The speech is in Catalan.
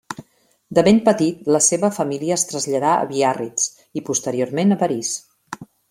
De ben petit la seva família es traslladà a Biarritz i posteriorment a París.